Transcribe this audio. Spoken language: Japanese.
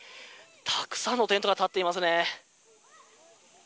たくさんのテントが立っていますね。